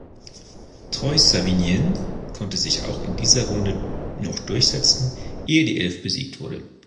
Troyes-Savinienne konnte sich auch in dieser Runde noch durchsetzen, ehe die Elf besiegt wurde.